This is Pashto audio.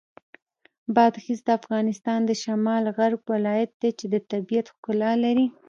بادغیس د افغانستان د شمال غرب ولایت دی چې د طبیعت ښکلا لري.